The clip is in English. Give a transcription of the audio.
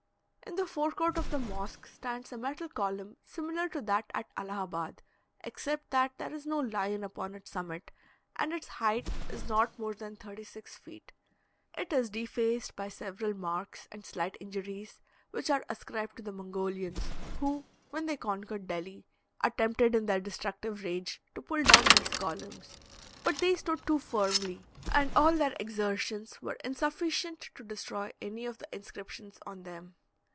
In the fore court of the mosque stands a metal column similar to that at Allahabad, except that there is no lion upon its summit, and its height is not more than thirty six feet. It is defaced by several marks and slight injuries, which are ascribed to the Mongolians, who, when they conquered Delhi, attempted in their destructive rage to pull down these columns; but they stood too firmly, and all their exertions were insufficient to destroy any of the inscriptions on them.